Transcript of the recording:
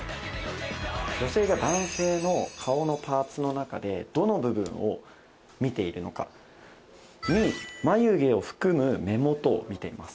女性が男性の顔のパーツの中でどの部分を見ているのか２位眉毛を含む目元を見ています